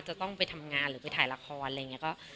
จะต้องไปทำงานหรือไปถ่ายละครอะไรอย่างนี้